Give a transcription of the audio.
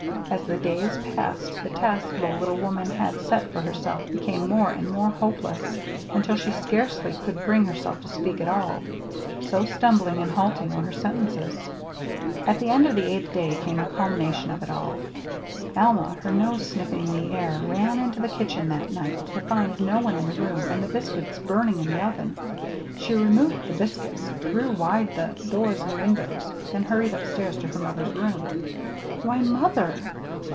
As the days passed, the task the little woman had set for herself became more and more hopeless, until she scarcely could bring herself to speak at all, so stumbling and halting were her sentences. At the end of the eighth day came the culmination of it all. Alma, her nose sniffing the air, ran into the kitchen that night to find no one in the room, and the biscuits burning in the oven. She removed the biscuits, threw wide the doors and windows, then hurried upstairs to her mother's room. "Why, mother!"